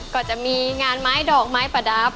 ก็จะมีงานไม้ดอกไม้ประดับ